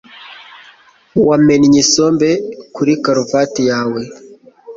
Wamennye isombe kuri karuvati yawe.